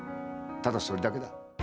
ただそれだけだ。